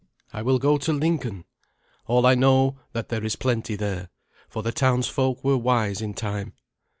"I will go to Lincoln. All know that there is plenty there, for the townsfolk were wise in time.